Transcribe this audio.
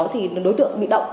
thì đối tượng bị động